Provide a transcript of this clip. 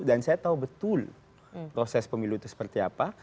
dan saya tahu betul proses pemilu itu seperti apa